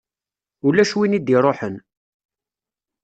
Ulac win i d-iṛuḥen.